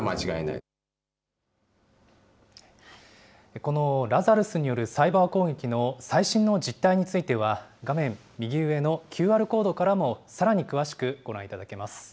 このラザルスによるサイバー攻撃の最新の実態については、画面右上のＱＲコードからもさらに詳しくご覧いただけます。